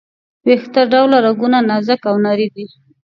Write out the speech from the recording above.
ویښته ډوله رګونه نازکه او نري دي.